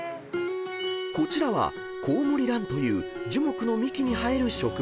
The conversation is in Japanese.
［こちらはコウモリランという樹木の幹に生える植物］